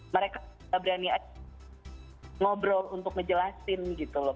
mereka berani aja ngobrol untuk ngejelasin gitu loh